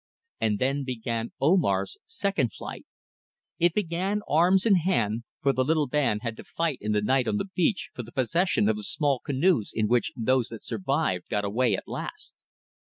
And then began Omar's second flight. It began arms in hand, for the little band had to fight in the night on the beach for the possession of the small canoes in which those that survived got away at last.